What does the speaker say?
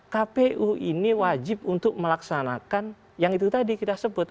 kpu ini wajib untuk melaksanakan yang itu tadi kita sebut